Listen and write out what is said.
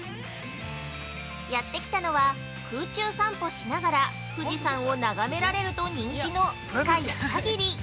やってきたのは、空中散歩しながら富士山を眺められると人気のスカイ朝霧。